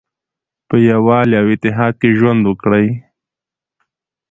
په یووالي او اتحاد کې ژوند وکړئ.